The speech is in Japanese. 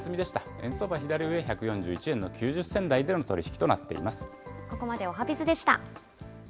円相場は左上、１４１円の９０銭台での取り引きとなっています。